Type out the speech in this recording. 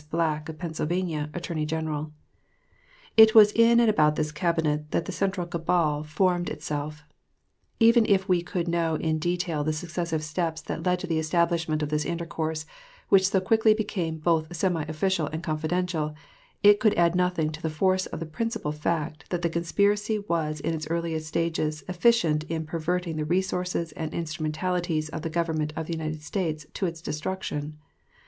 Black, of Pennsylvania, Attorney General. It was in and about this Cabinet that the central cabal formed itself. Even if we could know in detail the successive steps that led to the establishment of this intercourse, which so quickly became "both semi official and confidential," it could add nothing to the force of the principal fact that the conspiracy was in its earliest stages efficient in perverting the resources and instrumentalities of the Government of the United States to its destruction.